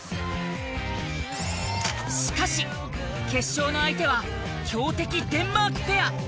しかし決勝の相手は強敵デンマークペア。